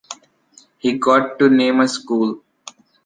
He got to name a school.